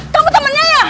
kamu temennya ya